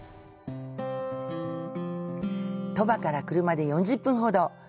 鳥羽から車で４０分ほど。